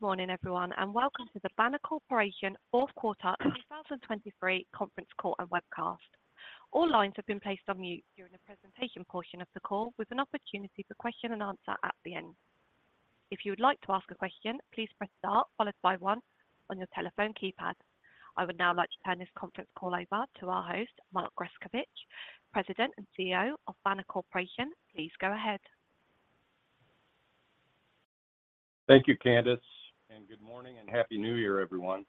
Good morning, everyone, and welcome to the Banner Corporation Q4 2023 conference call and webcast. All lines have been placed on mute during the presentation portion of the call, with an opportunity for question and answer at the end. If you would like to ask a question, please press star followed by 1 on your telephone keypad. I would now like to turn this conference call over to our host, Mark Grescovich, President and CEO of Banner Corporation. Please go ahead. Thank you, Candice, and good morning and happy New Year, everyone.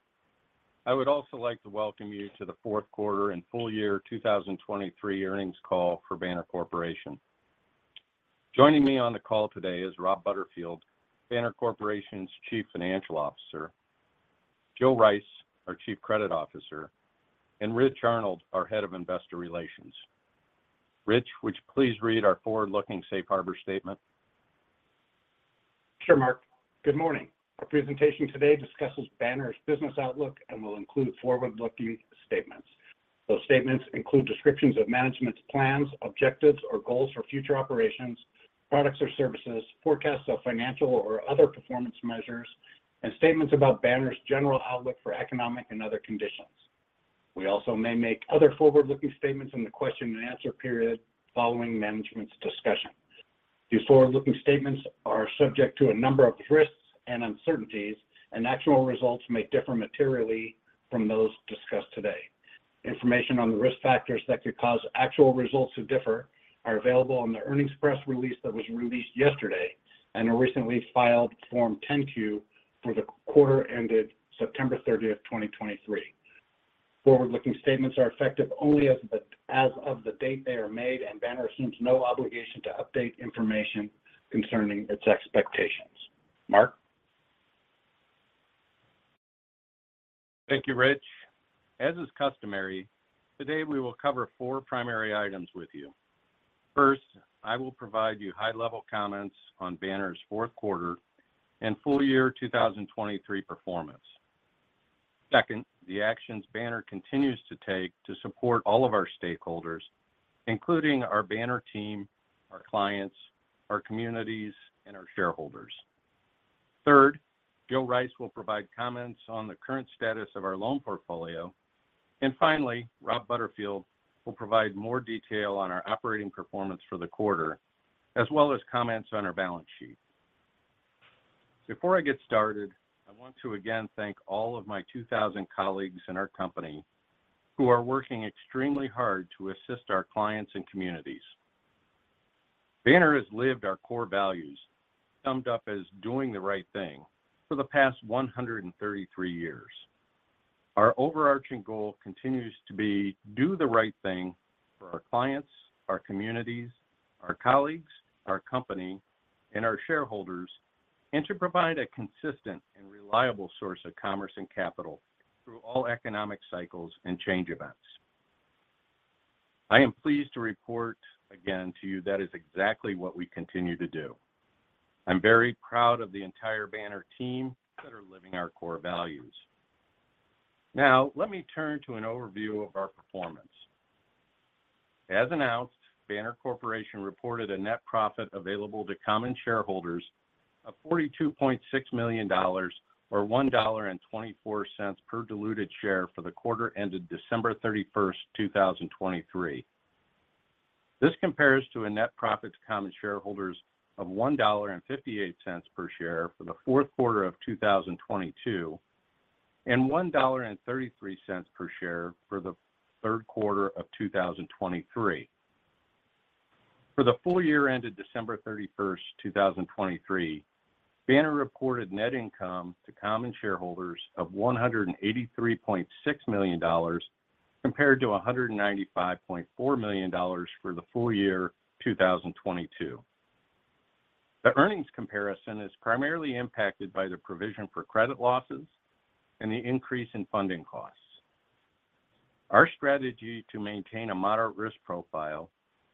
I would also like to welcome you to the Q4 and full year 2023 earnings call for Banner Corporation. Joining me on the call today is Rob Butterfield, Banner Corporation's Chief Financial Officer, Jill Rice, our Chief Credit Officer, and Rich Arnold, our Head of Investor Relations. Rich, would you please read our forward-looking safe harbor statement? Sure, Mark. Good morning. Our presentation today discusses Banner's business outlook and will include forward-looking statements. Those statements include descriptions of management's plans, objectives, or goals for future operations, products or services, forecasts of financial or other performance measures, and statements about Banner's general outlook for economic and other conditions. We also may make other forward-looking statements in the question and answer period following management's discussion. These forward-looking statements are subject to a number of risks and uncertainties, and actual results may differ materially from those discussed today. Information on the risk factors that could cause actual results to differ are available on the earnings press release that was released yesterday and a recently filed Form 10-Q for the quarter ended September 30, 2023. Forward-looking statements are effective only as of the date they are made, and Banner assumes no obligation to update information concerning its expectations. Mark? Thank you, Rich. As is customary, today we will cover four primary items with you. First, I will provide you high-level comments on Banner's Q4 and full year 2023 performance. Second, the actions Banner continues to take to support all of our stakeholders, including our Banner team, our clients, our communities, and our shareholders. Third, Jill Rice will provide comments on the current status of our loan portfolio. And finally, Rob Butterfield will provide more detail on our operating performance for the quarter, as well as comments on our balance sheet. Before I get started, I want to again thank all of my 2,000 colleagues in our company who are working extremely hard to assist our clients and communities. Banner has lived our core values, summed up as doing the right thing, for the past 133 years. Our overarching goal continues to be do the right thing for our clients, our communities, our colleagues, our company, and our shareholders, and to provide a consistent and reliable source of commerce and capital through all economic cycles and change events. I am pleased to report again to you that is exactly what we continue to do. I'm very proud of the entire Banner team that are living our core values. Now, let me turn to an overview of our performance. As announced, Banner Corporation reported a net profit available to common shareholders of $42.6 million or $1.24 per diluted share for the quarter ended December 31, 2023. This compares to a net profit to common shareholders of $1.58 per share for the Q4 of 2022, and $1.33 per share for the Q3 of 2023. For the full year ended December 31, 2023, Banner reported net income to common shareholders of $183.6 million, compared to $195.4 million for the full year 2022. The earnings comparison is primarily impacted by the provision for credit losses and the increase in funding costs. Our strategy to maintain a moderate risk profile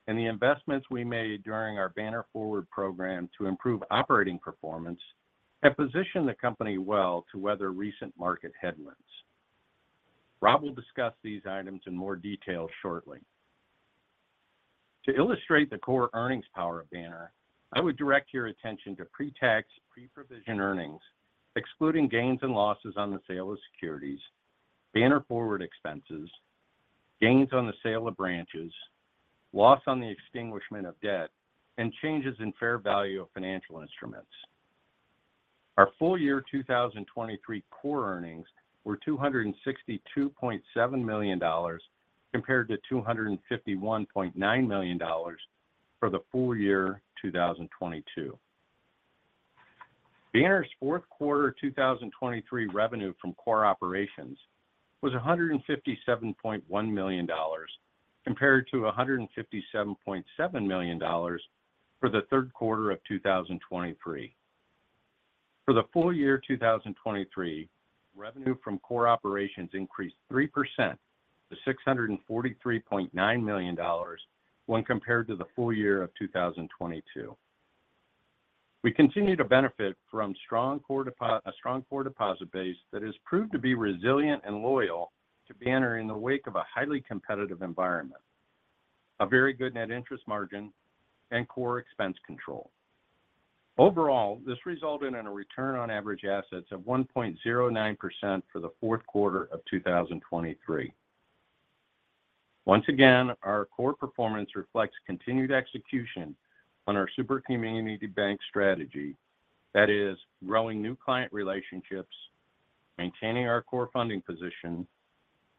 and the investments we made during our Banner Forward program to improve operating performance have positioned the company well to weather recent market headwinds. Rob will discuss these items in more detail shortly. To illustrate the core earnings power of Banner, I would direct your attention to pre-tax, pre-provision earnings, excluding gains and losses on the sale of securities, Banner Forward expenses, gains on the sale of branches, loss on the extinguishment of debt, and changes in fair value of financial instruments. Our full year 2023 core earnings were $262.7 million, compared to $251.9 million for the full year 2022. Banner's Q4 2023 revenue from core operations was $157.1 million, compared to $157.7 million for the Q3 of 2023. For the full year 2023, revenue from core operations increased 3% to $643.9 million when compared to the full year of 2022. We continue to benefit from strong core deposit base that has proved to be resilient and loyal to Banner in the wake of a highly competitive environment.... A very good net interest margin and core expense control. Overall, this resulted in a return on average assets of 1.09% for the Q4 of 2023. Once again, our core performance reflects continued execution on our super community bank strategy, that is, growing new client relationships, maintaining our core funding position,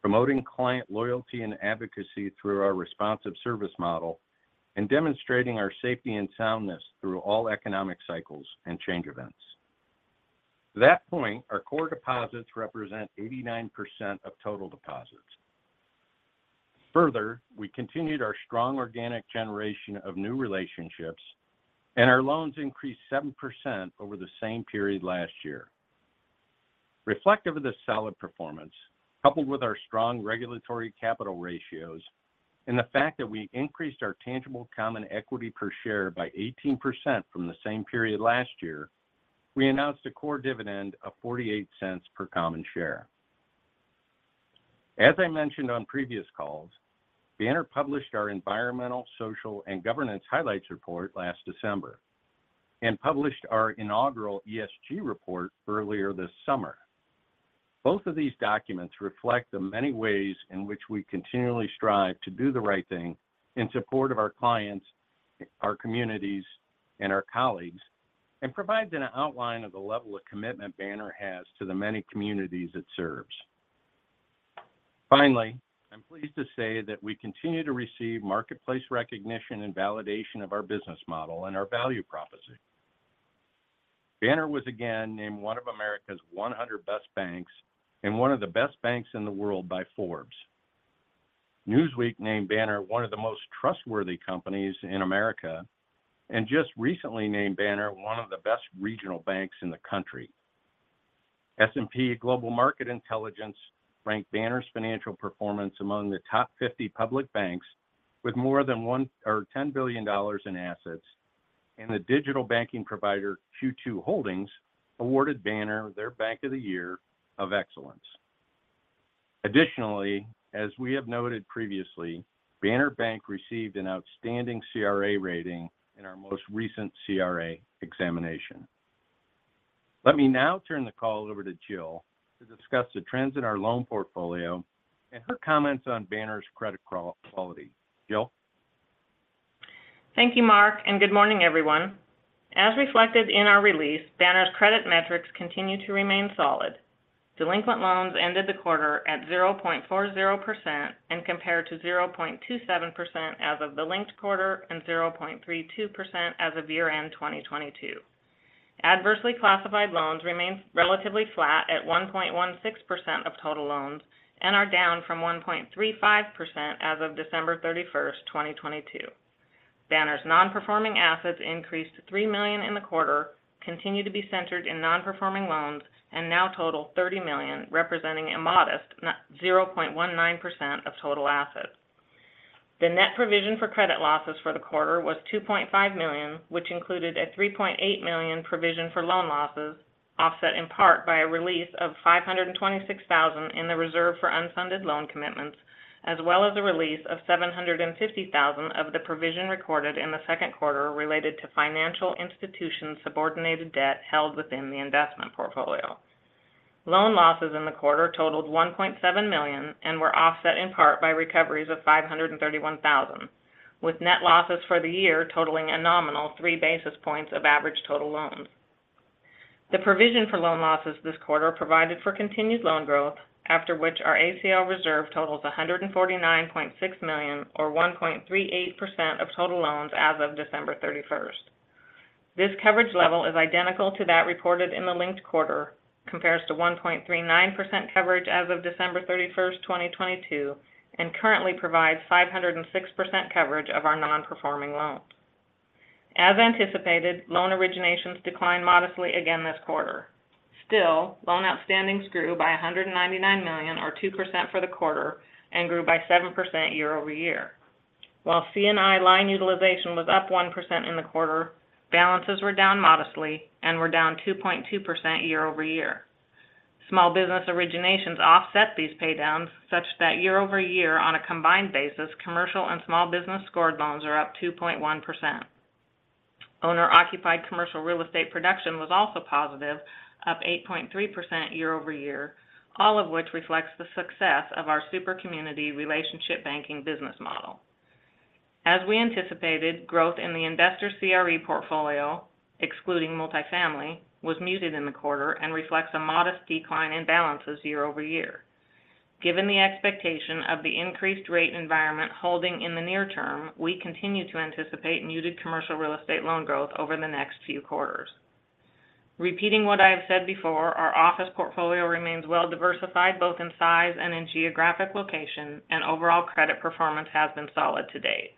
promoting client loyalty and advocacy through our responsive service model, and demonstrating our safety and soundness through all economic cycles and change events. To that point, our core deposits represent 89% of total deposits. Further, we continued our strong organic generation of new relationships, and our loans increased 7% over the same period last year. Reflective of this solid performance, coupled with our strong regulatory capital ratios and the fact that we increased our tangible common equity per share by 18% from the same period last year, we announced a core dividend of $0.48 per common share. As I mentioned on previous calls, Banner published our environmental, social, and governance highlights report last December and published our inaugural ESG report earlier this summer. Both of these documents reflect the many ways in which we continually strive to do the right thing in support of our clients, our communities, and our colleagues, and provides an outline of the level of commitment Banner has to the many communities it serves. Finally, I'm pleased to say that we continue to receive marketplace recognition and validation of our business model and our value proposition. Banner was again named one of America's 100 best banks and one of the best banks in the world by Forbes. Newsweek named Banner one of the most trustworthy companies in America, and just recently named Banner one of the best regional banks in the country. S&P Global Market Intelligence ranked Banner's financial performance among the top 50 public banks with more than $10 billion in assets, and the digital banking provider, Q2 Holdings, awarded Banner their Bank of the Year of Excellence. Additionally, as we have noted previously, Banner Bank received an outstanding CRA rating in our most recent CRA examination. Let me now turn the call over to Jill to discuss the trends in our loan portfolio and her comments on Banner's credit quality. Jill? Thank you, Mark, and good morning, everyone. As reflected in our release, Banner's credit metrics continue to remain solid. Delinquent loans ended the quarter at 0.40% and compared to 0.27% as of the linked quarter and 0.32% as of year-end 2022. Adversely classified loans remains relatively flat at 1.16% of total loans and are down from 1.35% as of December 31, 2022. Banner's non-performing assets increased to $3 million in the quarter, continue to be centered in non-performing loans, and now total $30 million, representing a modest 0.19% of total assets. The net provision for credit losses for the quarter was $2.5 million, which included a $3.8 million provision for loan losses, offset in part by a release of $526,000 in the reserve for unfunded loan commitments, as well as a release of $750,000 of the provision recorded in the Q2 related to financial institution subordinated debt held within the investment portfolio. Loan losses in the quarter totaled $1.7 million and were offset in part by recoveries of $531,000, with net losses for the year totaling a nominal 3 basis points of average total loans. The provision for loan losses this quarter provided for continued loan growth, after which our ACL reserve totals $149.6 million or 1.38% of total loans as of December 31st. This coverage level is identical to that reported in the linked quarter, compares to 1.39% coverage as of December 31, 2022, and currently provides 506% coverage of our non-performing loans. As anticipated, loan originations declined modestly again this quarter. Still, loan outstandings grew by $199 million, or 2% for the quarter, and grew by 7% year-over-year. While C&I line utilization was up 1% in the quarter, balances were down modestly and were down 2.2% year-over-year. Small business originations offset these paydowns such that year-over-year on a combined basis, commercial and small business scored loans are up 2.1%. Owner-occupied commercial real estate production was also positive, up 8.3% year-over-year, all of which reflects the success of our super community relationship banking business model. As we anticipated, growth in the investor CRE portfolio, excluding multifamily, was muted in the quarter and reflects a modest decline in balances year-over-year. Given the expectation of the increased rate environment holding in the near term, we continue to anticipate muted commercial real estate loan growth over the next few quarters. Repeating what I have said before, our office portfolio remains well diversified, both in size and in geographic location, and overall credit performance has been solid to date.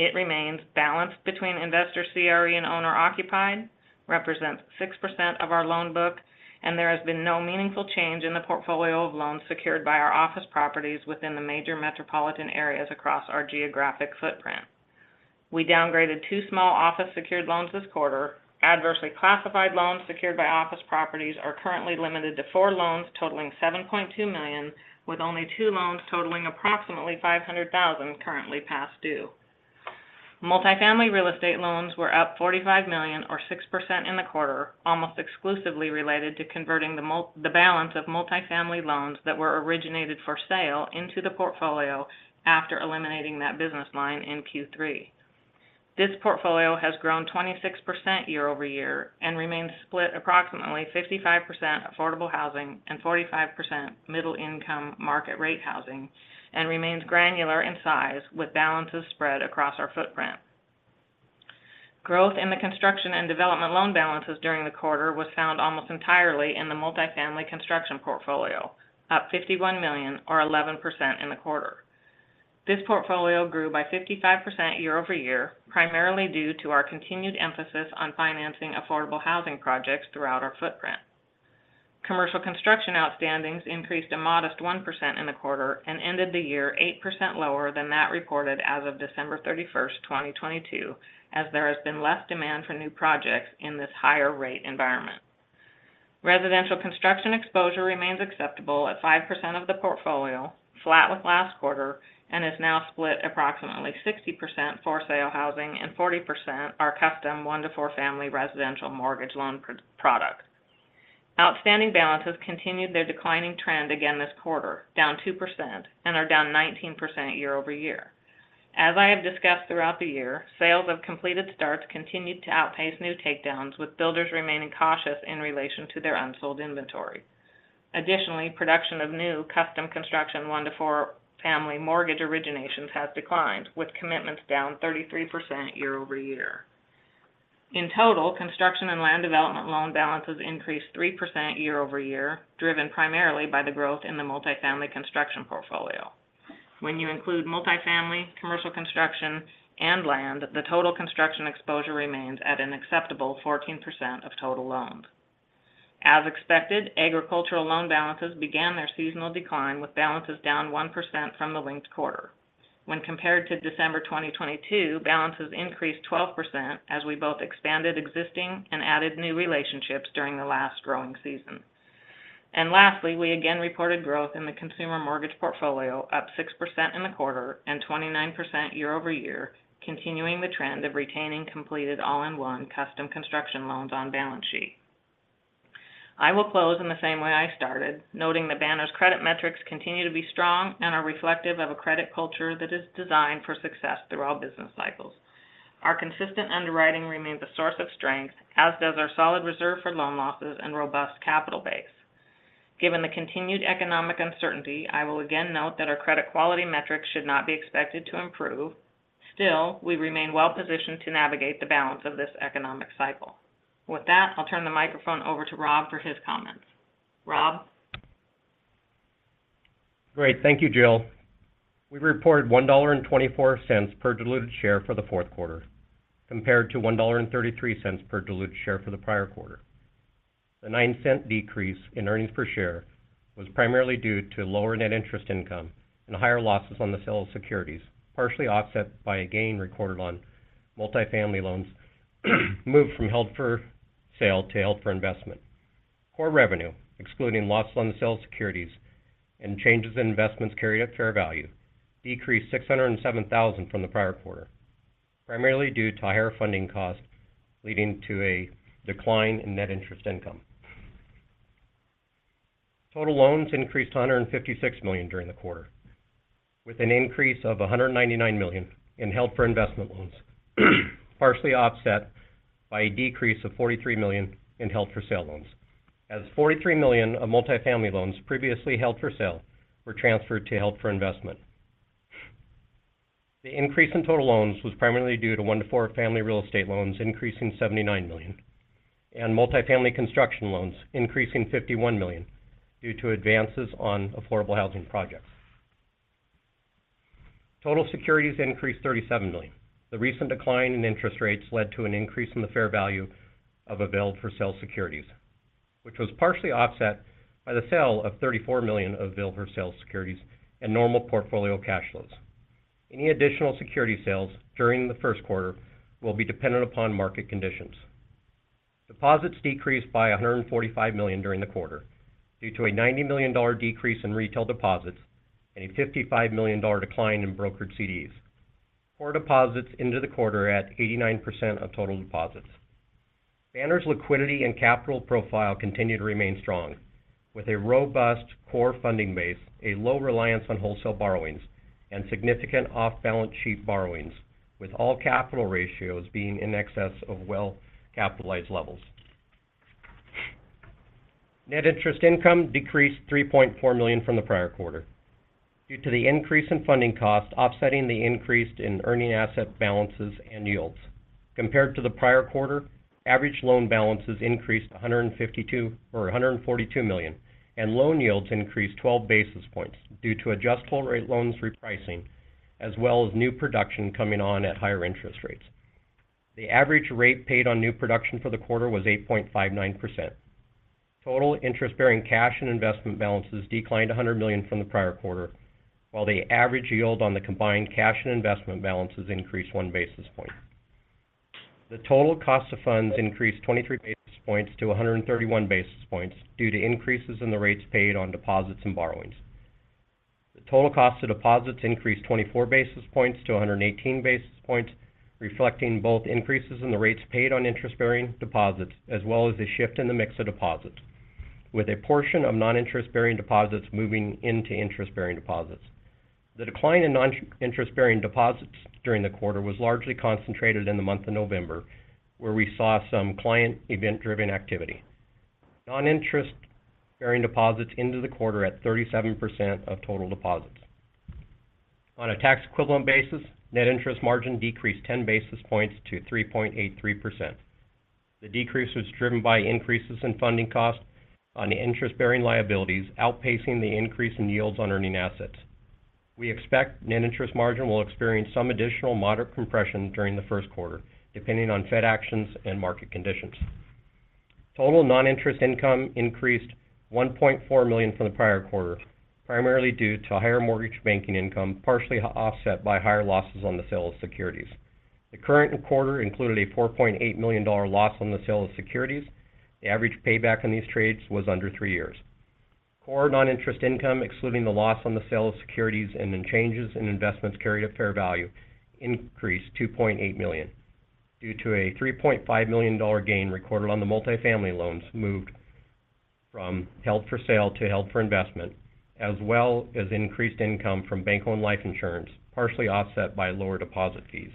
It remains balanced between investor CRE and owner-occupied, represents 6% of our loan book, and there has been no meaningful change in the portfolio of loans secured by our office properties within the major metropolitan areas across our geographic footprint. We downgraded two small office secured loans this quarter. Adversely classified loans secured by office properties are currently limited to four loans, totaling $7.2 million, with only two loans totaling approximately $500,000 currently past due. Multifamily real estate loans were up $45 million, or 6% in the quarter, almost exclusively related to converting the balance of multifamily loans that were originated for sale into the portfolio after eliminating that business line in Q3. This portfolio has grown 26% year-over-year and remains split approximately 55% affordable housing and 45% middle income market rate housing, and remains granular in size, with balances spread across our footprint. Growth in the construction and development loan balances during the quarter was found almost entirely in the multifamily construction portfolio, up $51 million or 11% in the quarter. This portfolio grew by 55% year-over-year, primarily due to our continued emphasis on financing affordable housing projects throughout our footprint. Commercial construction outstandings increased a modest 1% in the quarter and ended the year 8% lower than that reported as of December 31, 2022, as there has been less demand for new projects in this higher rate environment. Residential construction exposure remains acceptable at 5% of the portfolio, flat with last quarter, and is now split approximately 60% for sale housing and 40% are custom one to four family residential mortgage loan product. Outstanding balances continued their declining trend again this quarter, down 2% and are down 19% year-over-year. As I have discussed throughout the year, sales of completed starts continued to outpace new takedowns, with builders remaining cautious in relation to their unsold inventory. Additionally, production of new custom construction one to four family mortgage originations has declined, with commitments down 33% year-over-year. In total, construction and land development loan balances increased 3% year-over-year, driven primarily by the growth in the multifamily construction portfolio. When you include multifamily, commercial construction and land, the total construction exposure remains at an acceptable 14% of total loans. As expected, agricultural loan balances began their seasonal decline, with balances down 1% from the linked quarter. When compared to December 2022, balances increased 12% as we both expanded existing and added new relationships during the last growing season. And lastly, we again reported growth in the consumer mortgage portfolio, up 6% in the quarter and 29% year-over-year, continuing the trend of retaining completed All-In-One custom construction loans on balance sheet. I will close in the same way I started, noting that Banner's credit metrics continue to be strong and are reflective of a credit culture that is designed for success through all business cycles. Our consistent underwriting remains a source of strength, as does our solid reserve for loan losses and robust capital base. Given the continued economic uncertainty, I will again note that our credit quality metrics should not be expected to improve. Still, we remain well positioned to navigate the balance of this economic cycle. With that, I'll turn the microphone over to Rob for his comments. Rob? Great. Thank you, Jill. We reported $1.24 per diluted share for the Q4, compared to $1.33 per diluted share for the prior quarter. The $0.09 decrease in earnings per share was primarily due to lower net interest income and higher losses on the sale of securities, partially offset by a gain recorded on multifamily loans moved from held for sale to held for investment. Core revenue, excluding losses on the sale of securities and changes in investments carried at fair value, decreased $607,000 from the prior quarter, primarily due to higher funding costs, leading to a decline in net interest income. Total loans increased to $156 million during the quarter, with an increase of $199 million in held for investment loans, partially offset by a decrease of $43 million in held for sale loans, as $43 million of multifamily loans previously held for sale were transferred to held for investment. The increase in total loans was primarily due to one to four family real estate loans increasing $79 million and multifamily construction loans increasing $51 million due to advances on affordable housing projects. Total securities increased $37 million. The recent decline in interest rates led to an increase in the fair value of available for sale securities, which was partially offset by the sale of $34 million of available for sale securities and normal portfolio cash flows. Any additional security sales during the Q1 will be dependent upon market conditions. Deposits decreased by $145 million during the quarter due to a $90 million decrease in retail deposits and a $55 million decline in brokered CDs. Core deposits into the quarter at 89% of total deposits. Banner's liquidity and capital profile continue to remain strong, with a robust core funding base, a low reliance on wholesale borrowings, and significant off-balance sheet borrowings, with all capital ratios being in excess of well-capitalized levels. Net interest income decreased $3.4 million from the prior quarter due to the increase in funding costs offsetting the increase in earning asset balances and yields. Compared to the prior quarter, average loan balances increased 152 or 142 million, and loan yields increased 12 basis points due to adjustable-rate loans repricing, as well as new production coming on at higher interest rates. The average rate paid on new production for the quarter was 8.59%. Total interest-bearing cash and investment balances declined $100 million from the prior quarter, while the average yield on the combined cash and investment balances increased 1 basis point. The total cost of funds increased 23 basis points to 131 basis points, due to increases in the rates paid on deposits and borrowings. The total cost of deposits increased 24 basis points to 118 basis points, reflecting both increases in the rates paid on interest-bearing deposits, as well as a shift in the mix of deposits, with a portion of non-interest-bearing deposits moving into interest-bearing deposits. The decline in non-interest-bearing deposits during the quarter was largely concentrated in the month of November, where we saw some client event-driven activity. Non-interest-bearing deposits into the quarter at 37% of total deposits. On a tax equivalent basis, net interest margin decreased 10 basis points to 3.83%. The decrease was driven by increases in funding costs on the interest-bearing liabilities, outpacing the increase in yields on earning assets. We expect net interest margin will experience some additional moderate compression during the Q1, depending on Fed actions and market conditions. Total non-interest income increased $1.4 million from the prior quarter, primarily due to higher mortgage banking income, partially offset by higher losses on the sale of securities. The current quarter included a $4.8 million dollar loss on the sale of securities. The average payback on these trades was under three years. Core non-interest income, excluding the loss on the sale of securities and then changes in investments carried at fair value, increased $2.8 million, due to a $3.5 million dollar gain recorded on the multifamily loans moved from held for sale to held for investment, as well as increased income from bank-owned life insurance, partially offset by lower deposit fees.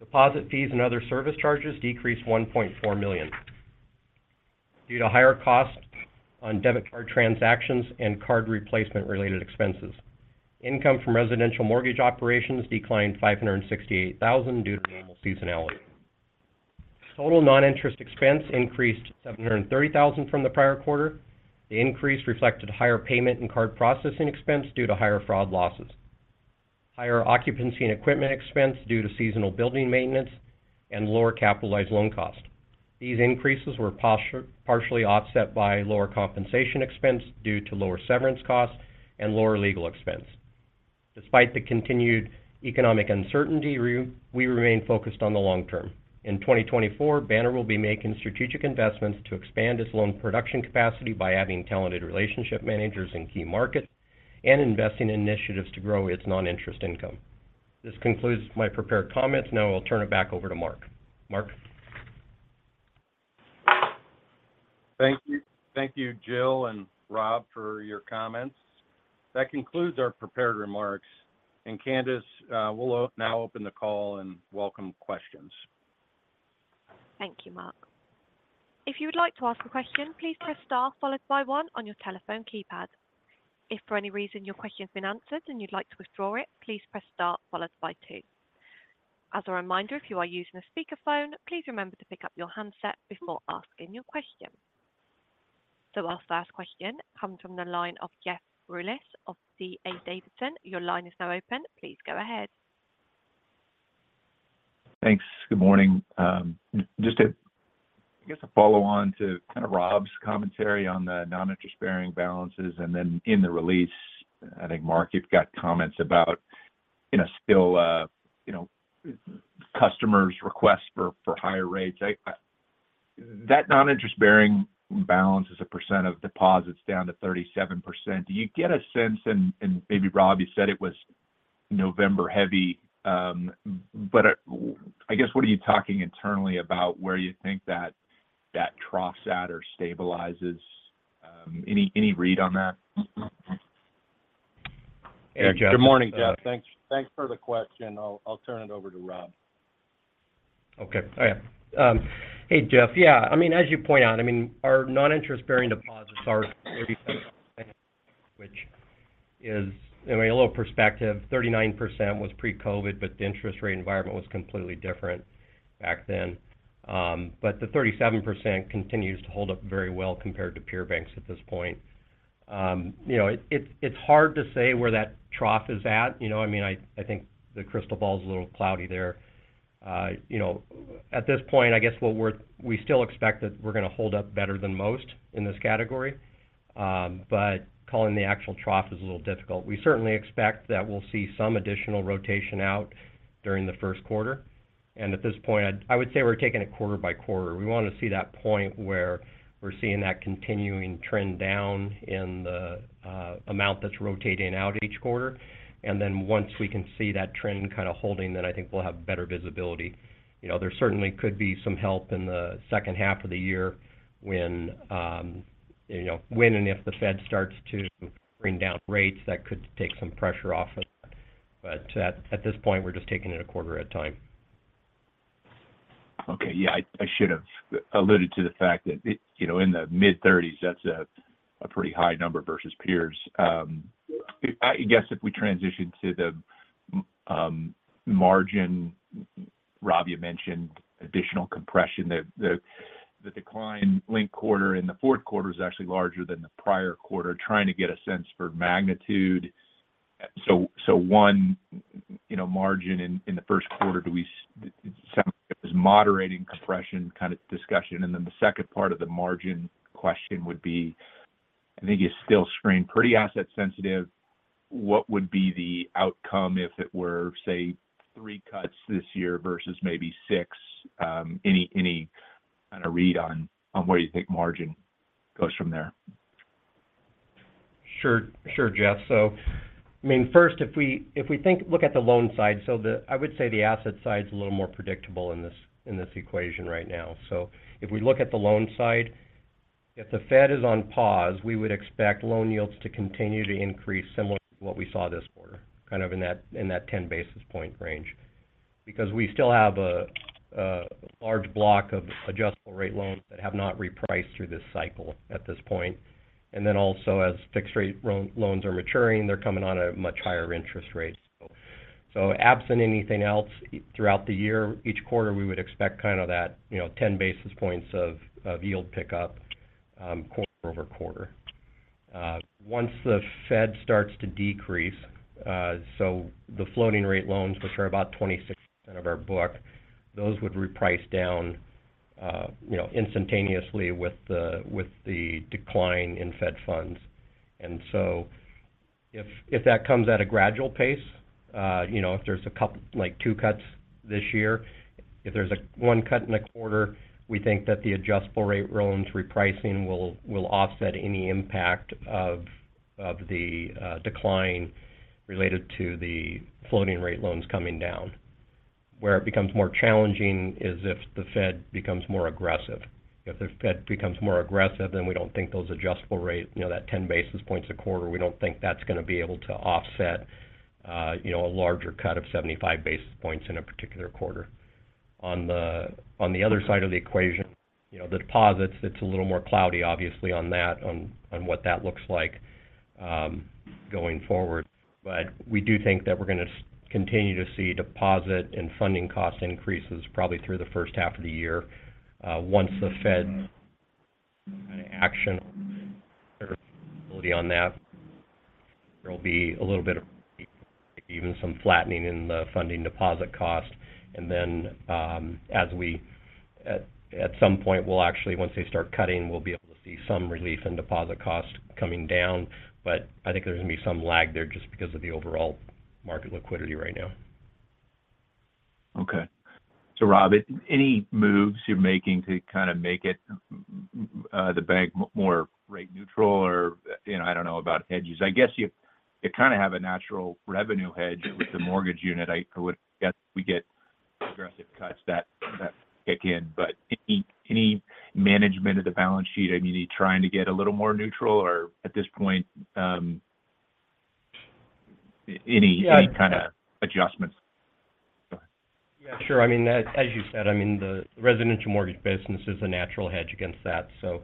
Deposit fees and other service charges decreased $1.4 million, due to higher costs on debit card transactions and card replacement related expenses. Income from residential mortgage operations declined $568,000 due to annual seasonality. Total non-interest expense increased $730,000 from the prior quarter. The increase reflected higher payment and card processing expense due to higher fraud losses, higher occupancy and equipment expense due to seasonal building maintenance, and lower capitalized loan cost. These increases were partially offset by lower compensation expense due to lower severance costs and lower legal expense. Despite the continued economic uncertainty, we remain focused on the long term. In 2024, Banner will be making strategic investments to expand its loan production capacity by adding talented relationship managers in key markets and investing in initiatives to grow its non-interest income. This concludes my prepared comments. Now I'll turn it back over to Mark. Mark? Thank you. Thank you, Jill and Rob, for your comments. That concludes our prepared remarks. And, Candice, we'll now open the call and welcome questions. Thank you, Mark. If you would like to ask a question, please press star followed by one on your telephone keypad. If for any reason your question has been answered and you'd like to withdraw it, please press star followed by two. As a reminder, if you are using a speakerphone, please remember to pick up your handset before asking your question. So our first question comes from the line of Jeff Rulis of D.A. Davidson. Your line is now open. Please go ahead. Thanks. Good morning. Just to, I guess, a follow-on to kind of Rob's commentary on the non-interest-bearing balances, and then in the release, I think, Mark, you've got comments about, you know, still, you know, customers' requests for, for higher rates. I— That non-interest-bearing balance is a percent of deposits down to 37%. Do you get a sense, and, and maybe, Rob, you said it was November heavy, but, I guess, what are you talking internally about where you think that, that troughs at or stabilizes? Any, any read on that? Good morning, Jeff. Thanks, thanks for the question. I'll, I'll turn it over to Rob. Okay. All right. Hey, Jeff. Yeah, I mean, as you point out, I mean, our non-interest-bearing deposits are maybe- which is... I mean, a little perspective, 39% was pre-COVID, but the interest rate environment was completely different back then. But the 37% continues to hold up very well compared to peer banks at this point. You know, it, it's, it's hard to say where that trough is at. You know, I mean, I, I think the crystal ball is a little cloudy there. You know, at this point, I guess what we're-- we still expect that we're going to hold up better than most in this category, but calling the actual trough is a little difficult. We certainly expect that we'll see some additional rotation out during the Q1, and at this point, I would say we're taking it quarter by quarter. We want to see that point where we're seeing that continuing trend down in the amount that's rotating out each quarter. And then once we can see that trend kind of holding, then I think we'll have better visibility. You know, there certainly could be some help in the second half of the year when, you know, when and if the Fed starts to bring down rates, that could take some pressure off of it. But at this point, we're just taking it a quarter at a time. Okay. Yeah, I should have alluded to the fact that it... you know, in the mid-30s, that's a pretty high number versus peers. I guess if we transition to the margin, Rob, you mentioned additional compression. The decline linked quarter in the Q4 is actually larger than the prior quarter. Trying to get a sense for magnitude? So one, you know, margin in the Q1, do we, so it was moderating compression kind of discussion. And then the second part of the margin question would be, I think you still screen pretty asset sensitive. What would be the outcome if it were, say, three cuts this year versus maybe six? Any kind of read on where you think margin goes from there? Sure, sure, Jeff. So, I mean, first, if we look at the loan side, I would say the asset side is a little more predictable in this equation right now. So if we look at the loan side, if the Fed is on pause, we would expect loan yields to continue to increase similar to what we saw this quarter, kind of in that 10 basis point range. Because we still have a large block of adjustable rate loans that have not repriced through this cycle at this point. And then also, as fixed-rate loans are maturing, they're coming on a much higher interest rate. So, absent anything else, throughout the year, each quarter, we would expect kind of that, you know, 10 basis points of yield pickup quarter-over-quarter. Once the Fed starts to decrease, so the floating rate loans, which are about 26% of our book, those would reprice down, you know, instantaneously with the, with the decline in Fed funds. And so if, if that comes at a gradual pace, you know, if there's a couple—like two cuts this year, if there's a one cut in a quarter, we think that the adjustable rate loans repricing will, will offset any impact of the decline related to the floating rate loans coming down. Where it becomes more challenging is if the Fed becomes more aggressive. If the Fed becomes more aggressive, then we don't think those adjustable rate, you know, that 10 basis points a quarter, we don't think that's going to be able to offset, you know, a larger cut of 75 basis points in a particular quarter. On the other side of the equation, you know, the deposits, it's a little more cloudy, obviously, on that, on what that looks like going forward. But we do think that we're going to continue to see deposit and funding cost increases probably through the first half of the year. Once the Fed action on that, there will be a little bit of even some flattening in the funding deposit cost. And then, at some point, we'll actually, once they start cutting, we'll be able to see some relief in deposit cost coming down. But I think there's going to be some lag there just because of the overall market liquidity right now. Okay. So, Rob, any moves you're making to kind of make it the bank more rate neutral or, you know, I don't know about hedges. I would guess we get progressive cuts that kick in. But any management of the balance sheet, I mean, are you trying to get a little more neutral or at this point any kind of adjustments? Yeah, sure. I mean, as you said, I mean, the residential mortgage business is a natural hedge against that. So,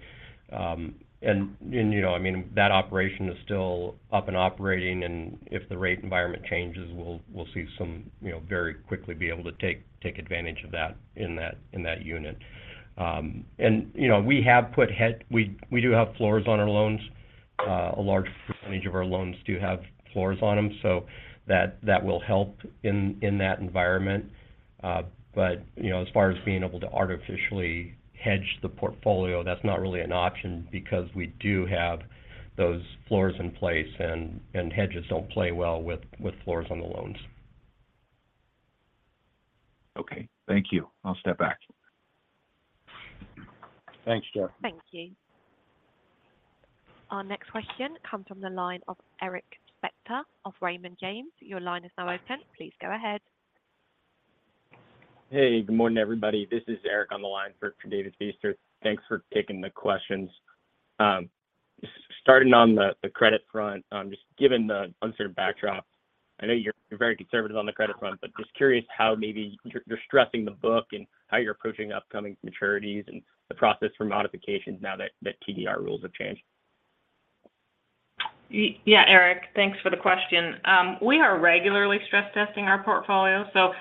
and, you know, I mean, that operation is still up and operating, and if the rate environment changes, we'll see some... You know, very quickly be able to take advantage of that in that unit. And, you know, we do have floors on our loans. A large percentage of our loans do have floors on them, so that will help in that environment. But, you know, as far as being able to artificially hedge the portfolio, that's not really an option because we do have those floors in place, and hedges don't play well with floors on the loans. Okay, thank you. I'll step back. Thanks, Jeff. Thank you. Our next question comes from the line of Eric Spector of Raymond James. Your line is now open. Please go ahead. Hey, good morning, everybody. This is Eric on the line for David Feaster. Thanks for taking the questions. Starting on the credit front, just given the uncertain backdrop, I know you're very conservative on the credit front, but just curious how maybe you're stressing the book and how you're approaching upcoming maturities and the process for modifications now that TDR rules have changed. Yeah, Eric, thanks for the question. We are regularly stress testing our portfolio, so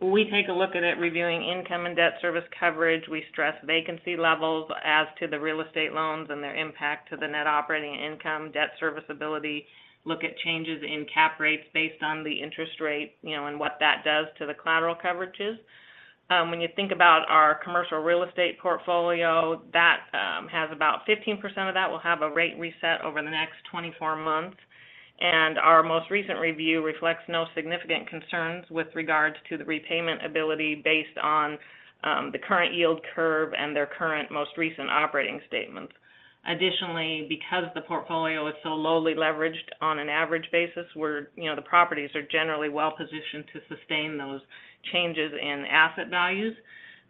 we take a look at it, reviewing income and debt service coverage. We stress vacancy levels as to the real estate loans and their impact to the net operating income, debt serviceability, look at changes in cap rates based on the interest rate, you know, and what that does to the collateral coverages. When you think about our commercial real estate portfolio, that has about 15% of that, will have a rate reset over the next 24 months. And our most recent review reflects no significant concerns with regards to the repayment ability based on the current yield curve and their current most recent operating statements. Additionally, because the portfolio is so lowly leveraged on an average basis, where, you know, the properties are generally well-positioned to sustain those changes in asset values.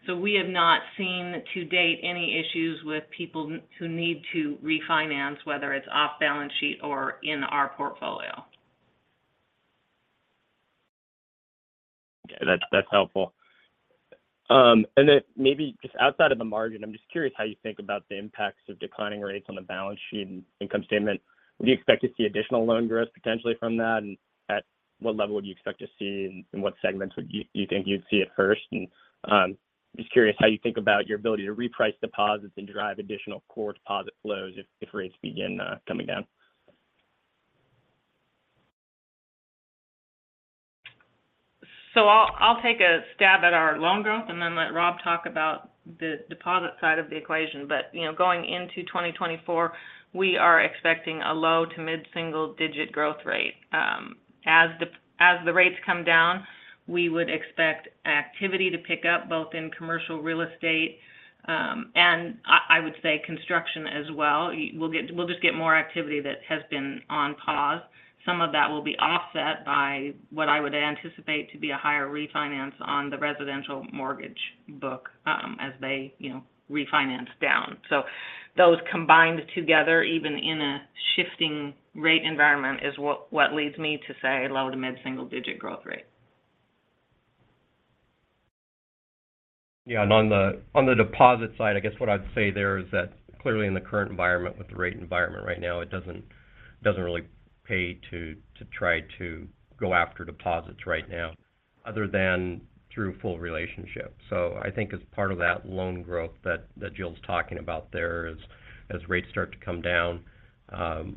So we have not seen to date any issues with people who need to refinance, whether it's off-balance sheet or in our portfolio. Okay, that's, that's helpful. And then maybe just outside of the margin, I'm just curious how you think about the impacts of declining rates on the balance sheet and income statement. Would you expect to see additional loan growth potentially from that, and what level would you expect to see, and in what segments would you think you'd see it first? And just curious how you think about your ability to reprice deposits and drive additional core deposit flows if rates begin coming down? So I'll take a stab at our loan growth, and then let Rob talk about the deposit side of the equation. But, you know, going into 2024, we are expecting a low to mid-single digit growth rate. As the rates come down, we would expect activity to pick up, both in commercial real estate, and I would say construction as well. We'll just get more activity that has been on pause. Some of that will be offset by what I would anticipate to be a higher refinance on the residential mortgage book, as they, you know, refinance down. So those combined together, even in a shifting rate environment, is what leads me to say low to mid-single digit growth rate. Yeah, and on the deposit side, I guess what I'd say there is that clearly in the current environment, with the rate environment right now, it doesn't really pay to try to go after deposits right now, other than through full relationship. So I think as part of that loan growth that Jill's talking about there, as rates start to come down,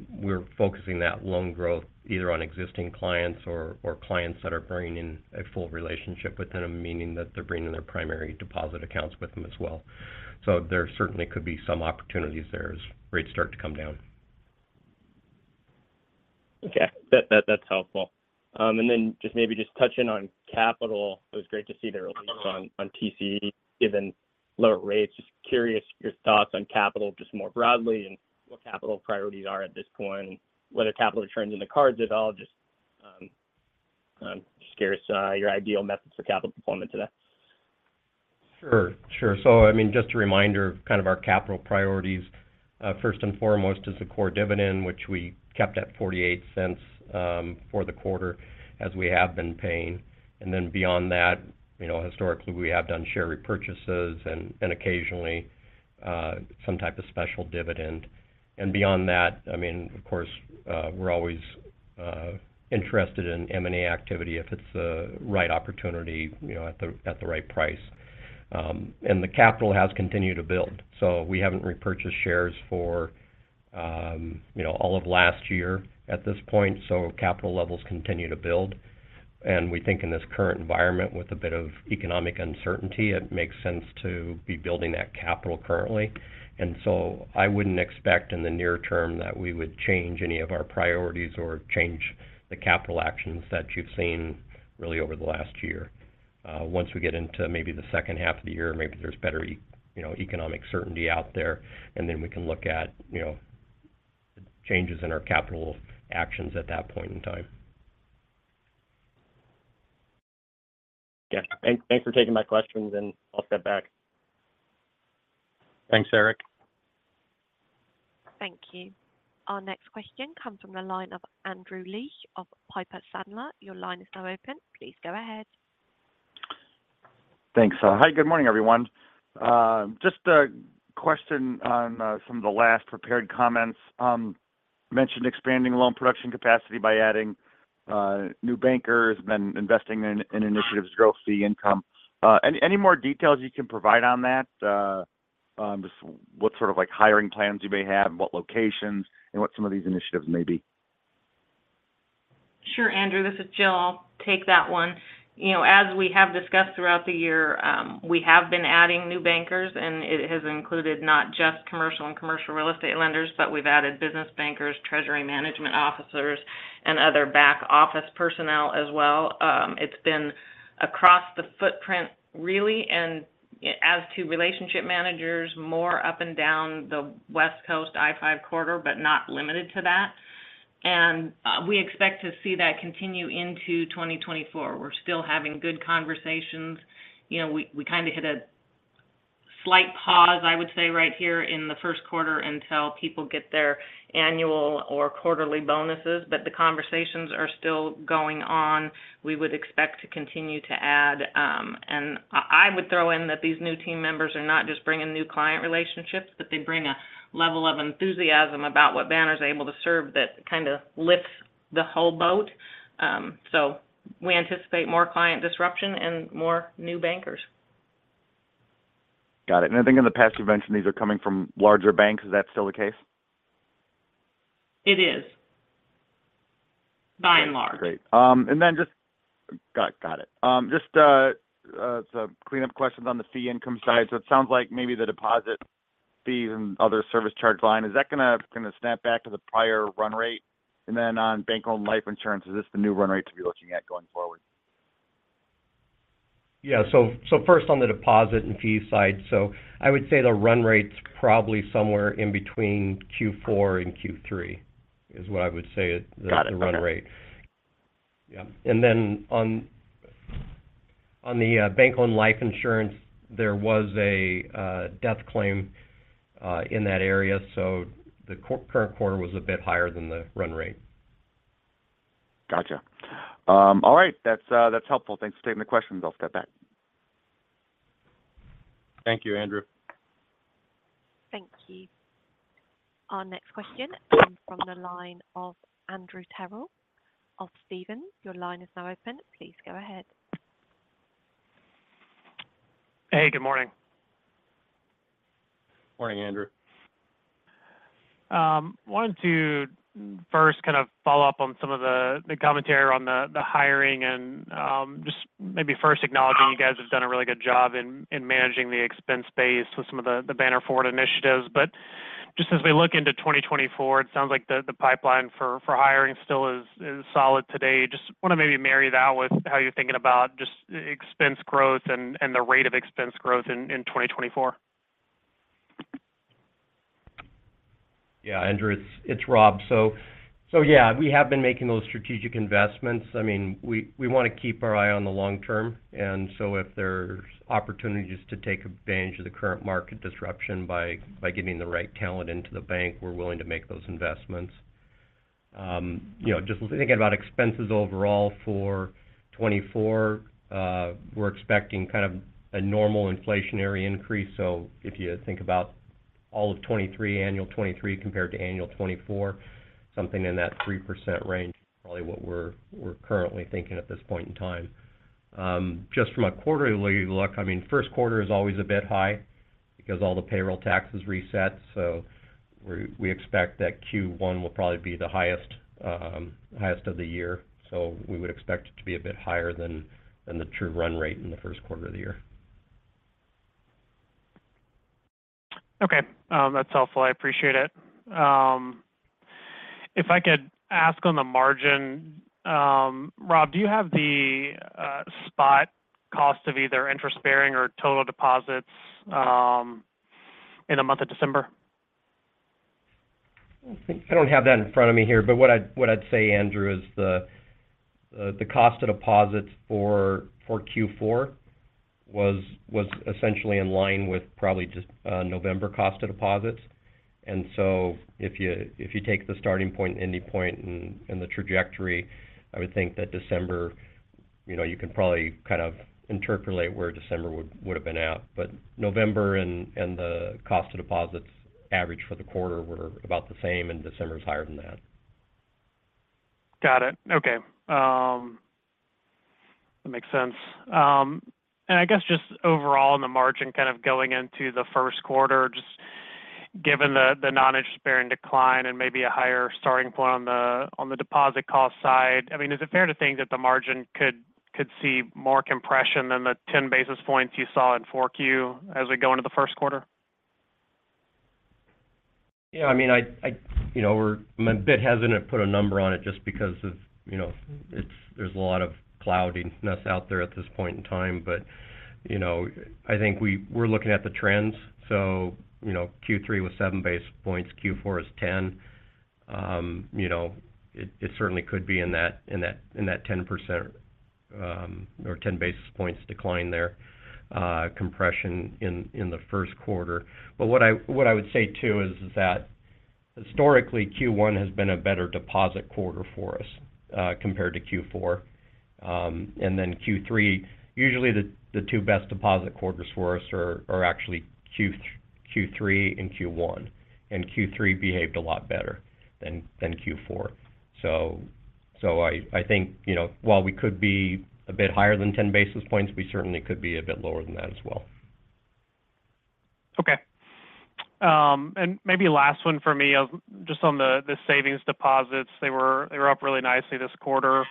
we're focusing that loan growth either on existing clients or clients that are bringing in a full relationship with them, meaning that they're bringing their primary deposit accounts with them as well. So there certainly could be some opportunities there as rates start to come down. Okay. That's helpful. And then just maybe touching on capital, it was great to see the release on TCE, given lower rates. Just curious your thoughts on capital, just more broadly, and what capital priorities are at this point, whether capital returns in the cards at all. Just curious, your ideal methods for capital deployment today. Sure, sure. So I mean, just a reminder of kind of our capital priorities. First and foremost is the core dividend, which we kept at $0.48 for the quarter as we have been paying. And then beyond that, you know, historically, we have done share repurchases and occasionally some type of special dividend. And beyond that, I mean, of course, we're always interested in M&A activity if it's the right opportunity, you know, at the right price. And the capital has continued to build, so we haven't repurchased shares for, you know, all of last year at this point, so capital levels continue to build. And we think in this current environment, with a bit of economic uncertainty, it makes sense to be building that capital currently. And so I wouldn't expect in the near term that we would change any of our priorities or change the capital actions that you've seen really over the last year. Once we get into maybe the second half of the year, maybe there's better, you know, economic certainty out there, and then we can look at, you know, changes in our capital actions at that point in time. Yeah. Thanks for taking my questions, and I'll step back. Thanks, Eric. Thank you. Our next question comes from the line of Andrew Liesch of Piper Sandler. Your line is now open. Please go ahead. Thanks. Hi, good morning, everyone. Just a question on some of the last prepared comments. You mentioned expanding loan production capacity by adding new bankers and then investing in initiatives to grow fee income. Any more details you can provide on that? Just what sort of, like, hiring plans you may have, and what locations, and what some of these initiatives may be? Sure, Andrew, this is Jill. I'll take that one. You know, as we have discussed throughout the year, we have been adding new bankers, and it has included not just commercial and commercial real estate lenders, but we've added business bankers, treasury management officers, and other back-office personnel as well. It's been across the footprint, really, and as to relationship managers, more up and down the West Coast I-5 corridor, but not limited to that. And, we expect to see that continue into 2024. We're still having good conversations. You know, we, we kind of hit a slight pause, I would say, right here in the Q1 until people get their annual or quarterly bonuses, but the conversations are still going on. We would expect to continue to add... I would throw in that these new team members are not just bringing new client relationships, but they bring a level of enthusiasm about what Banner's able to serve that kind of lifts the whole boat. So we anticipate more client disruption and more new bankers. Got it. And I think in the past, you mentioned these are coming from larger banks. Is that still the case? It is, by and large. Great. And then just got it. Just a cleanup questions on the fee income side. So it sounds like maybe the deposit fees and other service charge line, is that gonna snap back to the prior run rate? And then on bank-owned life insurance, is this the new run rate to be looking at going forward? Yeah. So, so first on the deposit and fee side, so I would say the run rate's probably somewhere in between Q4 and Q3, is what I would say is the- Got it. - run rate. Yeah. And then on the bank-owned life insurance, there was a death claim in that area, so the current quarter was a bit higher than the run rate. Gotcha. All right. That's, that's helpful. Thanks for taking the questions. I'll step back.... Thank you, Andrew. Thank you. Our next question comes from the line of Andrew Terrell of Stephens. Your line is now open. Please go ahead. Hey, good morning. Morning, Andrew. Wanted to first kind of follow up on some of the commentary on the hiring and just maybe first acknowledging you guys have done a really good job in managing the expense base with some of the Banner Forward initiatives. But just as we look into 2024, it sounds like the pipeline for hiring still is solid today. Just want to maybe marry that with how you're thinking about just expense growth and the rate of expense growth in 2024. Yeah, Andrew, it's Rob. So yeah, we have been making those strategic investments. I mean, we want to keep our eye on the long term, and so if there's opportunities to take advantage of the current market disruption by getting the right talent into the bank, we're willing to make those investments. You know, just thinking about expenses overall for 2024, we're expecting kind of a normal inflationary increase. So if you think about all of 2023, annual 2023 compared to annual 2024, something in that 3% range, probably what we're currently thinking at this point in time. Just from a quarterly look, I mean, Q1 is always a bit high because all the payroll taxes reset. So we expect that Q1 will probably be the highest of the year. We would expect it to be a bit higher than the true run rate in the Q1 of the year. Okay. That's helpful. I appreciate it. If I could ask on the margin, Rob, do you have the spot cost of either interest-bearing or total deposits in the month of December? I don't have that in front of me here, but what I'd say, Andrew, is the cost of deposits for Q4 was essentially in line with probably just November cost of deposits. And so if you take the starting point, ending point, and the trajectory, I would think that December, you know, you can probably kind of interpolate where December would have been at. But November and the cost of deposits average for the quarter were about the same, and December is higher than that. Got it. Okay. That makes sense. And I guess just overall on the margin, kind of going into the Q1, just given the non-interest bearing decline and maybe a higher starting point on the deposit cost side, I mean, is it fair to think that the margin could see more compression than the 10 basis points you saw in 4Q as we go into the Q1? Yeah, I mean, you know, I'm a bit hesitant to put a number on it just because of, you know, it's-- there's a lot of cloudiness out there at this point in time. But, you know, I think we're looking at the trends. So, you know, Q3 was 7 basis points, Q4 is 10. You know, it certainly could be in that 10%, or 10 basis points decline there, compression in the Q1. But what I would say, too, is that historically, Q1 has been a better deposit quarter for us, compared to Q4, and then Q3. Usually, the two best deposit quarters for us are actually Q3 and Q1, and Q3 behaved a lot better than Q4. So, I think, you know, while we could be a bit higher than 10 basis points, we certainly could be a bit lower than that as well. Okay. And maybe last one for me, just on the savings deposits. They were up really nicely this quarter.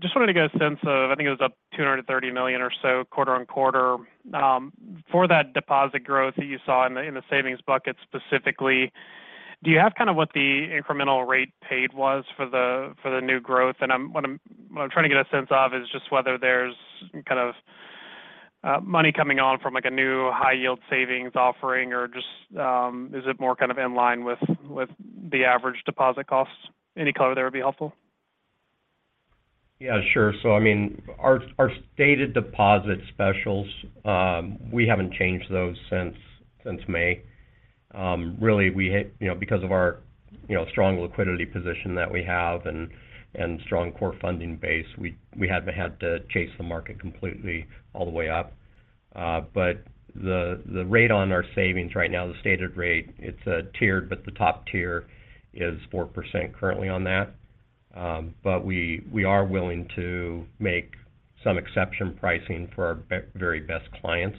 Just wanted to get a sense of, I think it was up $230 million or so quarter-over-quarter. For that deposit growth that you saw in the savings bucket specifically, do you have kind of what the incremental rate paid was for the new growth? And what I'm trying to get a sense of is just whether there's kind of money coming on from like a new high yield savings offering or just is it more kind of in line with the average deposit costs? Any color there would be helpful. Yeah, sure. So I mean, our stated deposit specials, we haven't changed those since May. Really, you know, because of our strong liquidity position that we have and strong core funding base, we haven't had to chase the market completely all the way up. But the rate on our savings right now, the stated rate, it's tiered, but the top tier is 4% currently on that. But we are willing to make some exception pricing for our very best clients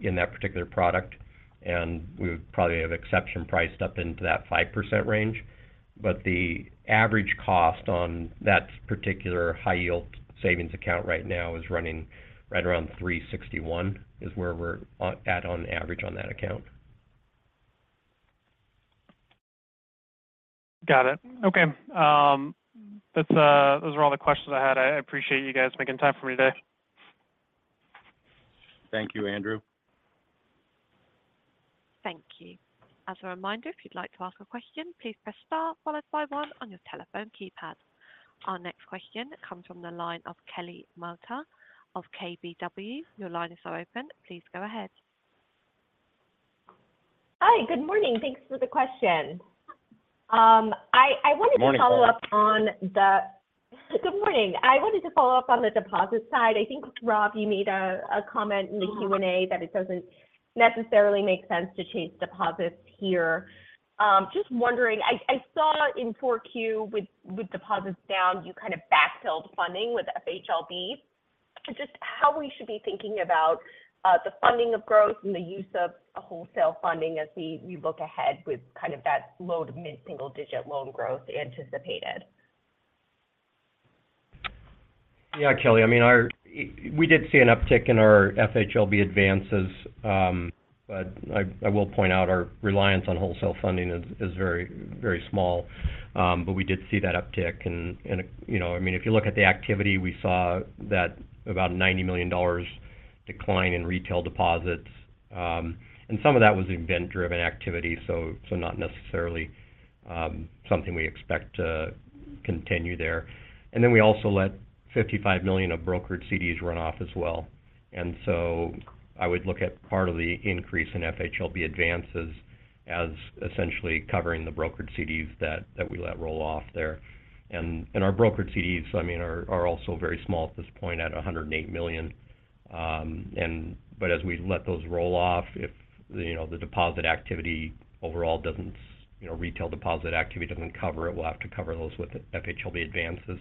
in that particular product, and we would probably have exception priced up into that 5% range. But the average cost on that particular high yield savings account right now is running right around 3.61%, is where we're at, on average on that account. Got it. Okay, those are all the questions I had. I appreciate you guys making time for me today. Thank you, Andrew. Thank you. As a reminder, if you'd like to ask a question, please press star followed by one on your telephone keypad. Our next question comes from the line of Kelly Motta of KBW. Your line is now open. Please go ahead.... Hi, good morning. Thanks for the question. I wanted to- Good morning Good morning. I wanted to follow up on the deposit side. I think, Rob, you made a comment in the Q&A that it doesn't necessarily make sense to chase deposits here. Just wondering, I saw in 4Q with deposits down, you kind of backfilled funding with FHLB. Just how we should be thinking about the funding of growth and the use of wholesale funding as we look ahead with kind of that low- to mid-single-digit loan growth anticipated? Yeah, Kelly, I mean, we did see an uptick in our FHLB advances. But I will point out our reliance on wholesale funding is very, very small. But we did see that uptick. And you know, I mean, if you look at the activity, we saw about $90 million decline in retail deposits, and some of that was event-driven activity, so not necessarily something we expect to continue there. And then we also let $55 million of brokered CDs run off as well. And so I would look at part of the increase in FHLB advances as essentially covering the brokered CDs that we let roll off there. And our brokered CDs, I mean, are also very small at this point, $108 million. As we let those roll off, if, you know, the deposit activity overall doesn't—you know, retail deposit activity doesn't cover it, we'll have to cover those with FHLB advances.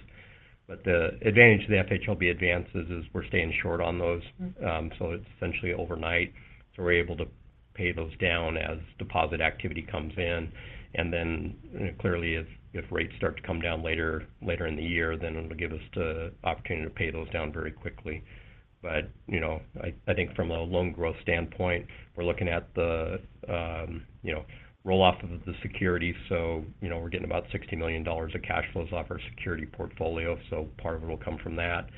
But the advantage of the FHLB advances is we're staying short on those. Mm-hmm. So it's essentially overnight, so we're able to pay those down as deposit activity comes in. And then, you know, clearly, if rates start to come down later in the year, then it'll give us the opportunity to pay those down very quickly. But, you know, I think from a loan growth standpoint, we're looking at the, you know, roll-off of the security. So, you know, we're getting about $60 million of cash flows off our security portfolio, so part of it will come from that.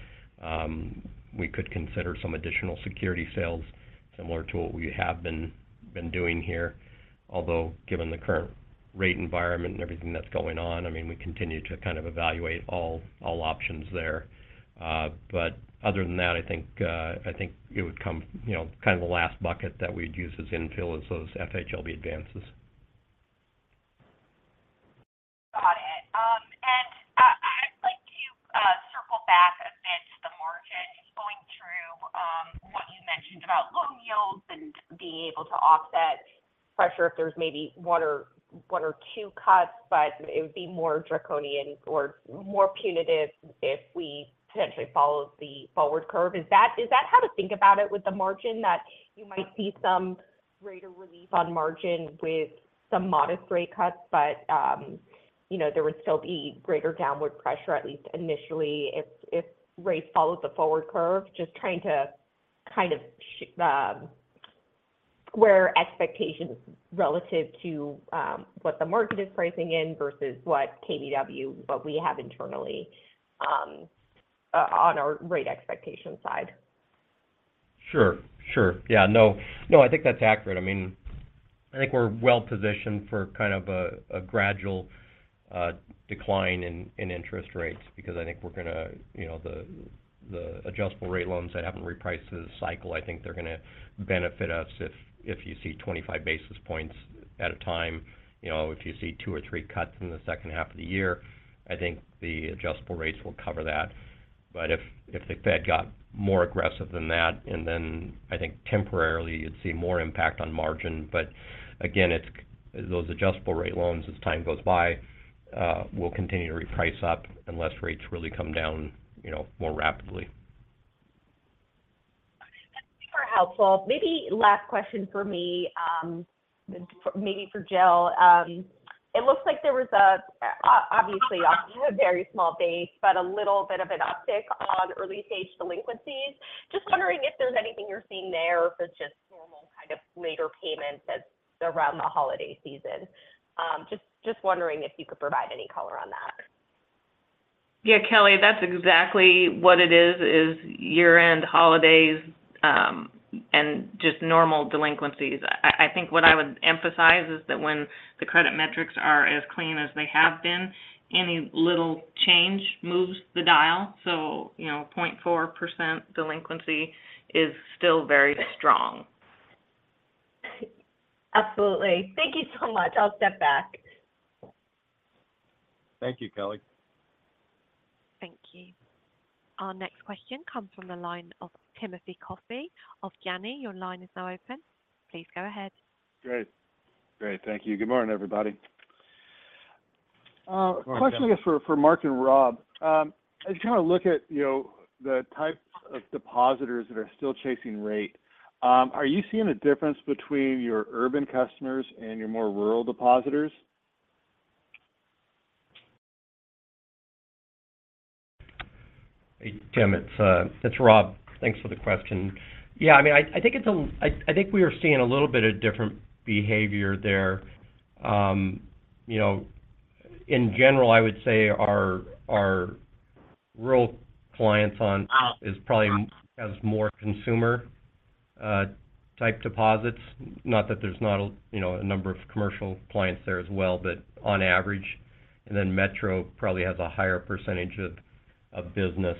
We could consider some additional security sales, similar to what we have been doing here. Although, given the current rate environment and everything that's going on, I mean, we continue to kind of evaluate all options there. But other than that, I think, I think it would come, you know, kind of the last bucket that we'd use as infill is those FHLB advances. Got it. I'd like to circle back a bit to the margin. Going through what you mentioned about loan yields and being able to offset pressure if there's maybe 1 or 2 cuts, but it would be more draconian or more punitive if we potentially followed the forward curve. Is that how to think about it with the margin? That you might see some greater relief on margin with some modest rate cuts, but you know, there would still be greater downward pressure, at least initially, if rates followed the forward curve? Just trying to kind of where expectations relative to what the market is pricing in versus what KBW what we have internally on our rate expectation side. Sure, sure. Yeah, no, no, I think that's accurate. I mean, I think we're well positioned for kind of a gradual decline in interest rates because I think we're going to... You know, the adjustable rate loans that haven't repriced this cycle, I think they're going to benefit us if you see 25 basis points at a time. You know, if you see two or three cuts in the second half of the year, I think the adjustable rates will cover that. But if the Fed got more aggressive than that, and then I think temporarily you'd see more impact on margin. But again, it's those adjustable rate loans, as time goes by, will continue to reprice up unless rates really come down, you know, more rapidly. That's super helpful. Maybe last question for me, maybe for Jill. It looks like there was, obviously, a very small base, but a little bit of an uptick on early-stage delinquencies. Just wondering if there's anything you're seeing there or if it's just normal kind of later payments as around the holiday season. Just wondering if you could provide any color on that. Yeah, Kelly, that's exactly what it is, is year-end holidays, and just normal delinquencies. I think what I would emphasize is that when the credit metrics are as clean as they have been, any little change moves the dial. So, you know, 0.4% delinquency is still very strong. Absolutely. Thank you so much. I'll step back. Thank you, Kelly. Thank you. Our next question comes from the line of Timothy Coffey of Janney. Your line is now open. Please go ahead. Great. Great, thank you. Good morning, everybody. Good morning. Question, I guess, for Mark and Rob. As you kind of look at, you know, the types of depositors that are still chasing rate, are you seeing a difference between your urban customers and your more rural depositors? Hey, Tim, it's Rob. Thanks for the question. Yeah, I mean, I think we are seeing a little bit of different behavior there. You know, in general, I would say our rural clients on- Uh- is probably has more consumer type deposits. Not that there's not a, you know, a number of commercial clients there as well, but on average... and then metro probably has a higher percentage of business.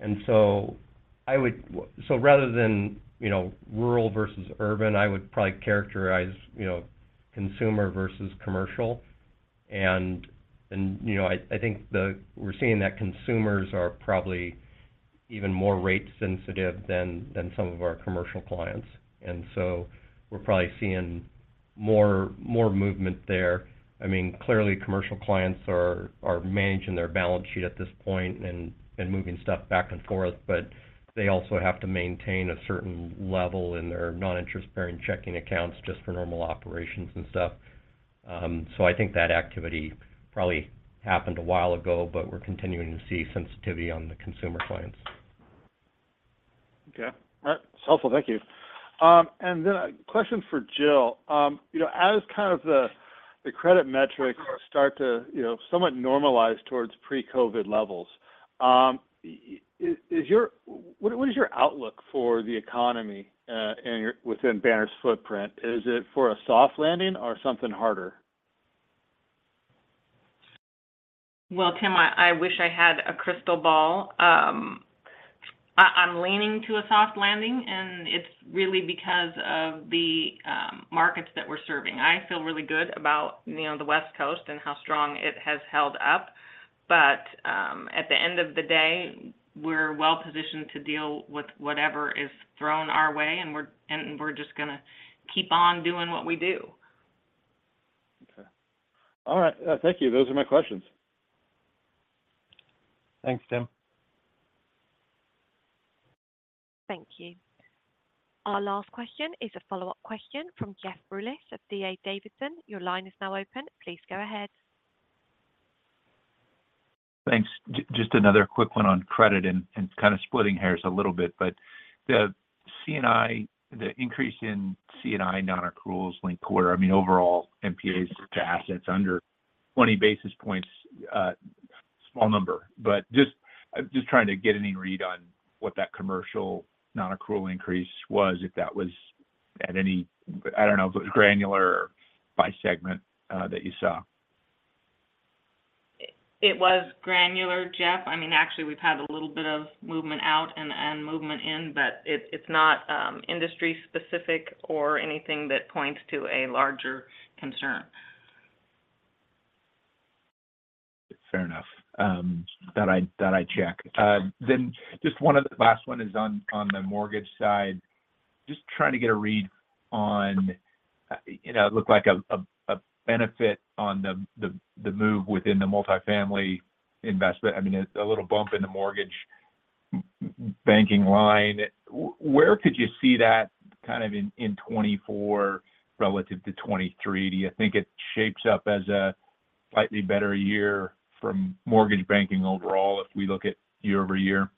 And so I would so rather than, you know, rural versus urban, I would probably characterize, you know, consumer versus commercial. And, and, you know, I, I think the-- we're seeing that consumers are probably even more rate sensitive than some of our commercial clients, and so we're probably seeing more movement there. I mean, clearly, commercial clients are managing their balance sheet at this point and moving stuff back and forth, but they also have to maintain a certain level in their non-interest-bearing checking accounts just for normal operations and stuff. So, I think that activity probably happened a while ago, but we're continuing to see sensitivity on the consumer clients. Okay. All right. It's helpful. Thank you. And then a question for Jill. You know, as kind of the credit metrics start to, you know, somewhat normalize toward pre-COVID levels, is your outlook for the economy within Banner's footprint? Is it for a soft landing or something harder? Well, Tim, I wish I had a crystal ball. I’m leaning to a soft landing, and it's really because of the markets that we're serving. I feel really good about, you know, the West Coast and how strong it has held up. But, at the end of the day, we're well positioned to deal with whatever is thrown our way, and we're just gonna keep on doing what we do. Okay. All right. Thank you. Those are my questions. Thanks, Tim. Thank you. Our last question is a follow-up question from Jeff Rulis of D.A. Davidson. Your line is now open. Please go ahead. Thanks. Just another quick one on credit and kind of splitting hairs a little bit, but the C&I, the increase in C&I nonaccruals linked quarter, I mean, overall NPAs to assets under 20 basis points, small number. But I'm just trying to get any read on what that commercial nonaccrual increase was, if that was at any, I don't know if it was granular or by segment, that you saw. It was granular, Jeff. I mean, actually, we've had a little bit of movement out and movement in, but it's not industry-specific or anything that points to a larger concern. Fair enough. Thought I'd check. Then just one other last one is on the mortgage side. Just trying to get a read on, you know, it looked like a benefit on the move within the multifamily investment. I mean, it's a little bump in the mortgage banking line. Where could you see that kind of in 2024 relative to 2023? Do you think it shapes up as a slightly better year from mortgage banking overall if we look at year-over-year?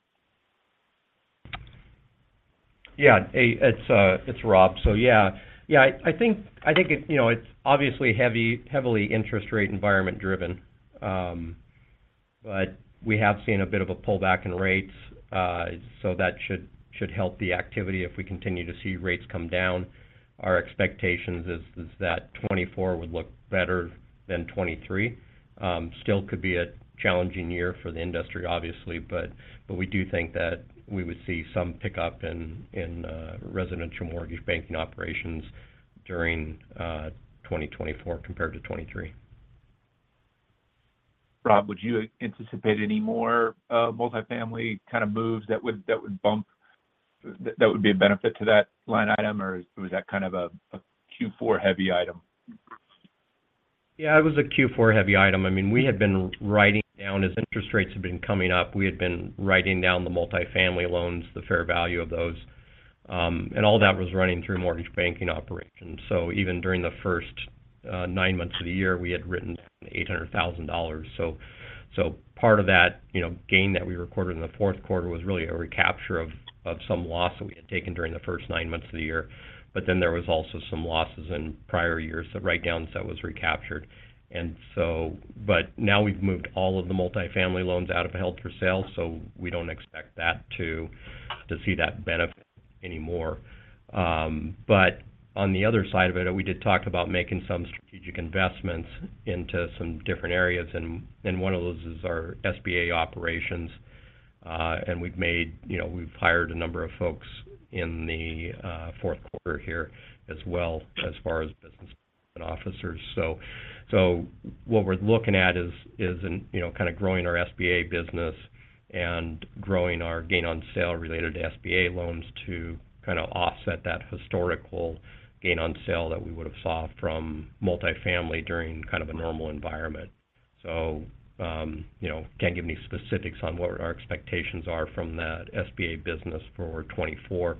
Yeah, it's Rob. So yeah. Yeah, I think, you know, it's obviously heavily interest rate environment driven. But we have seen a bit of a pullback in rates, so that should help the activity if we continue to see rates come down. Our expectations is that 2024 would look better than 2023. Still could be a challenging year for the industry, obviously, but we do think that we would see some pickup in residential mortgage banking operations during 2024 compared to 2023. Rob, would you anticipate any more multifamily kind of moves that would be a benefit to that line item, or was that kind of a Q4-heavy item? Yeah, it was a Q4-heavy item. I mean, we had been writing down... as interest rates have been coming up, we had been writing down the multifamily loans, the fair value of those. And all that was running through mortgage banking operations. So even during the first nine months of the year, we had written $800,000. So, so part of that, you know, gain that we recorded in the Q4 was really a recapture of, of some loss that we had taken during the first nine months of the year. But then there was also some losses in prior years, the write-downs that was recaptured. And so-- but now we've moved all of the multifamily loans out of held for sale, so we don't expect that to, to see that benefit anymore. But on the other side of it, we did talk about making some strategic investments into some different areas, and one of those is our SBA operations. And we've made—you know, we've hired a number of folks in the Q4 here as well, as far as business officers. So what we're looking at is in, you know, kind of growing our SBA business and growing our gain on sale related to SBA loans to kind of offset that historical gain on sale that we would have saw from multifamily during kind of a normal environment. So, you know, can't give any specifics on what our expectations are from that SBA business for 2024,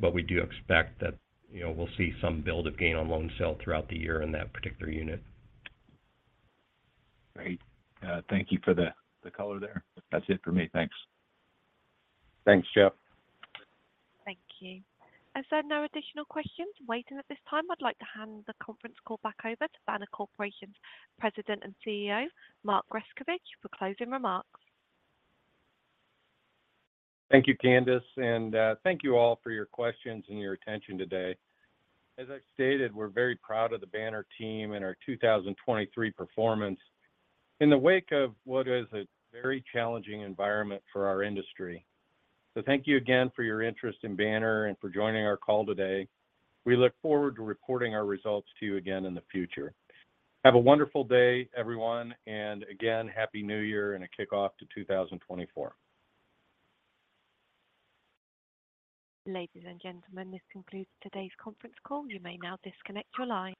but we do expect that, you know, we'll see some build of gain on loan sale throughout the year in that particular unit. Great. Thank you for the color there. That's it for me. Thanks. Thanks, Jeff. Thank you. As there are no additional questions waiting at this time, I'd like to hand the conference call back over to Banner Corporation's President and CEO, Mark Grescovich, for closing remarks. Thank you, Candice, and thank you all for your questions and your attention today. As I've stated, we're very proud of the Banner team and our 2023 performance in the wake of what is a very challenging environment for our industry. So thank you again for your interest in Banner and for joining our call today. We look forward to reporting our results to you again in the future. Have a wonderful day, everyone, and again, Happy New Year and a kickoff to 2024. Ladies and gentlemen, this concludes today's conference call. You may now disconnect your lines.